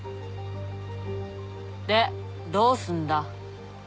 でどうすんだ？